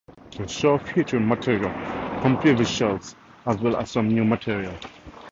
The show featured material from previous shows, as well as some new material.